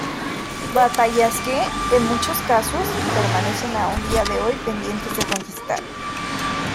Batallas que, en muchos casos, permanecen aún a día de hoy pendientes de conquistar.